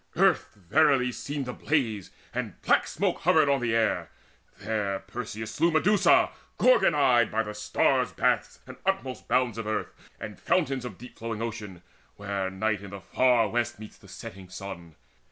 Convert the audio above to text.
Earth verily seemed Ablaze, and black smoke hovered on the air. There Perseus slew Medusa gorgon eyed By the stars' baths and utmost bounds of earth And fountains of deep flowing Ocean, where Night in the far west meets the setting sun.